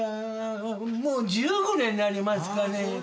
もう１５年になりますかね。